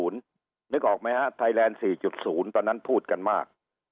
นึกออกไหมฮะไทยแลนด์๔๐ตอนนั้นพูดกันมาก